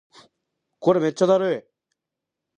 これめっちゃだるい